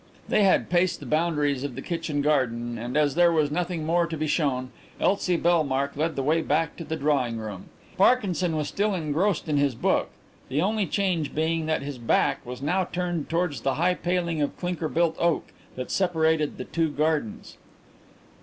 They had paced the boundaries of the kitchen garden, and as there was nothing more to be shown Elsie Bellmark led the way back to the drawing room. Parkinson was still engrossed in his book, the only change being that his back was now turned towards the high paling of clinker built oak that separated the two gardens.